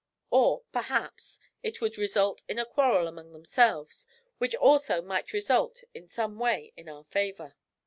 Or, possibly, it would result in a quarrel among themselves, which also might result in some way in our favour.